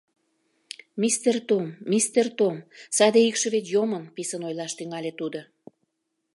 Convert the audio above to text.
— Мистер Том, мистер Том, саде икшывет йомын, — писын ойлаш тӱҥале тудо.